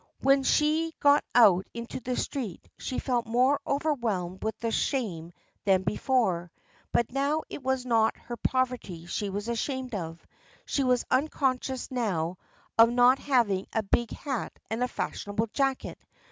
When she got out into the street she felt more overwhelmed with shame than before, but now it was not her poverty she was ashamed of. She was unconscious now of not having a big hat and a fashionable jacket.